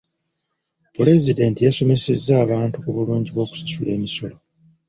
Pulezidenti yasomesezza abantu ku bulungi bw'okusasula emisolo.